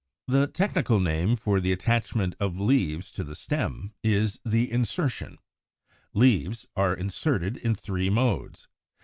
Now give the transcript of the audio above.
The technical name for the attachment of leaves to the stem is the insertion. Leaves (as already noticed, 54) are inserted in three modes.